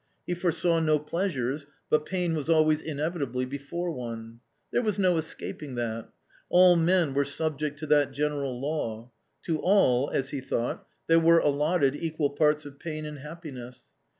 He foresaw no pleasures, but pain was always inevitably before one ; there was no escaping that — all men were subject to that general law ; to all, as he thought, there were allotted equal parts of pain and happi ness.